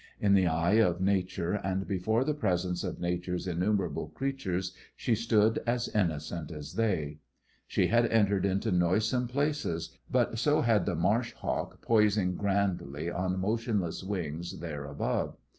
In the eye of nature and before the presence of nature's innumerable creatures she stood as innocent as they. She had entered into noisome places, but so had the marsh hawk poising grandly on motionless wing there above.